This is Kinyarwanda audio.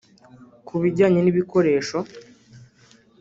Ku bijyanye n’ibikoresho